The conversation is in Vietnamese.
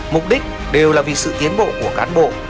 mục đích đều là vì sự tiến bộ của cán bộ